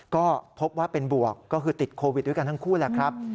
ก็พบว่าเป็นบวกก็คือติดโควิดด้วยกันทั้งคู่แหละครับ